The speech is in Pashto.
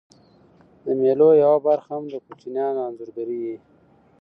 د مېلو یوه برخه هم د کوچنيانو انځورګرۍ يي.